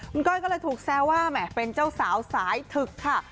คุณก้อยก็เลยถูกแซวว่าแหมเป็นเจ้าสาวสายถึกค่ะ